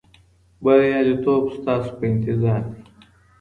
بریالیتوب ستاسو په انتظار دی.